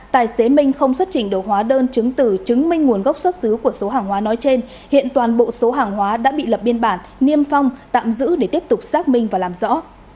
tài xế minh không xuất trình được hóa đơn chứng tử chứng minh nguồn gốc xuất xứ của số hàng hóa nói trên hiện toàn bộ số hàng hóa đã bị lập biên bản niêm phong tạm giữ để tiếp tục xác minh và làm rõ